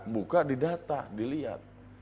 buka di data dilihat